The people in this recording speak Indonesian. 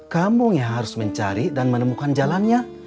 kampung yang harus mencari dan menemukan jalannya